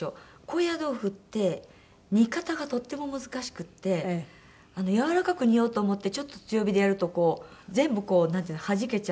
高野豆腐って煮方がとっても難しくてやわらかく煮ようと思ってちょっと強火でやると全部こうなんていうのはじけちゃって。